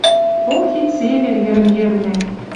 «Ох, и цевер йӹрӹм-йӹрнӓ